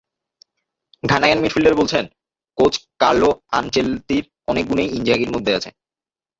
Ghanaian midfielder বলছেন, coach Carlo আনচেলত্তির অনেক গুণই ইনজাগির মধ্যে আছে।